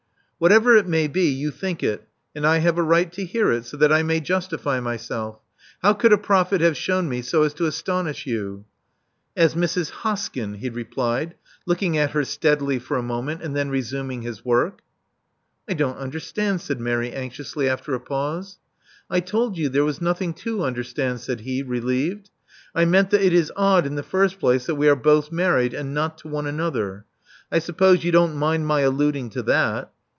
'Whatever it may be, you think it: and I have a right to hear it, so that I may justify myself. How could a prophet have shewn me so as to astonish you?" As Mrs. Hoskyn," he replied, looking at her steadily for a moment, and then resuming his work. I don't understand," said Mary anxiously, after a pause. '*! told you there was nothing to understand," said he, relieved. *'I meant that it is odd in the first place that we are both married, and not to one another — I suppose you don't mind my alluding to that.